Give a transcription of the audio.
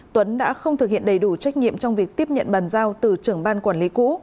tuấn đã không thực hiện đầy đủ trách nhiệm trong việc tiếp nhận bàn giao từ trưởng ban quản lý cũ